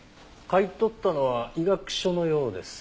買い取ったのは医学書のようです。